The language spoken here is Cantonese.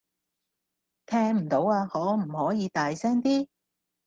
聽唔到呀，可唔可以大聲啲